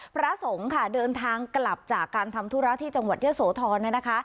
พระสงฆ์ค่ะเดินทางกลับจากการทำธุระที่จังหวัดเยอะโสธรนะคะ